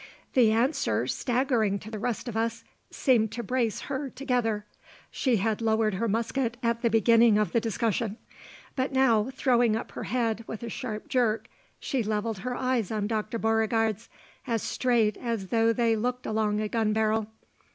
The answer, staggering to the rest of us, seemed to brace her together. She had lowered her musket at the beginning of the discussion; but now, throwing up her head with a sharp jerk, she levelled her eyes on Dr. Beauregard's, as straight as though they looked along a gun barrel.